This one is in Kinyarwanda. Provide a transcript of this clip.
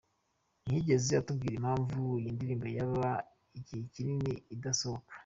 Ntiyigeze atubwira impamvu iyi ndirimbo yaba igihe kinini idasohoka.